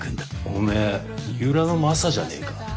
おめえ二浦のマサじゃねえか？